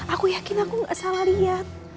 aku yakin aku nggak salah liat